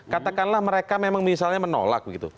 katakanlah mereka memang misalnya menolak begitu